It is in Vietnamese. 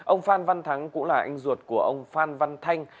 ông phan văn thắng cũng là anh ruột của ông phan văn thanh